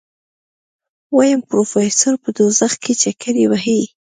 ويم پروفيسر په دوزخ کې چکرې وهي.